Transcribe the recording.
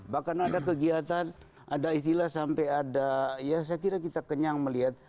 bahkan ada kegiatan ada istilah sampai ada ya saya kira kita kenyang melihat